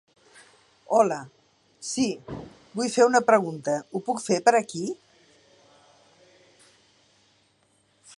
Hola, sí, vull fer una pregunta, ho puc fer per aquí?